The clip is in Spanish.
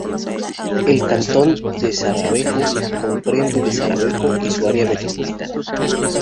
El Cantón de Sarajevo comprende Sarajevo y su área metropolitana.